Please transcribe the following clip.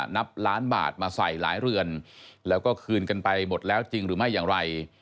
นับล้านบาทมาใส่หลายเรือนแล้วก็คืนกันไปหมดแล้วจริงหรือไม่อย่างไร